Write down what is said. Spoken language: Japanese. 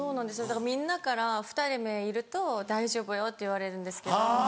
だからみんなから２人目いると大丈夫よって言われるんですけど。